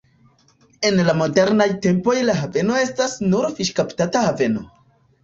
En la modernaj tempoj la haveno estas nur fiŝkapta haveno.